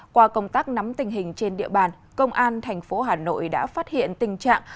qua công tác nắm tình hình trên địa bàn công an tp hà nội đã phát hiện tình trạng